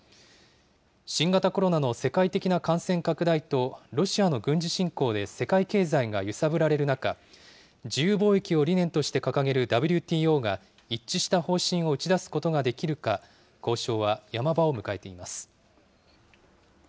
新型コロナの世界的な感染拡大と、ロシアの軍事侵攻で、世界経済が揺さぶられる中、自由貿易を理念として掲げるＷＴＯが、一致した方針を打ち出すことができるか、交渉はヤマ場を迎えています。